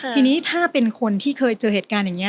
ทีนี้ถ้าเป็นคนที่เคยเจอเหตุการณ์อย่างนี้